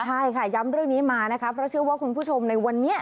ใช่ค่ะย้ำเรื่องนี้มานะคะเพราะเชื่อว่าคุณผู้ชมในวันนี้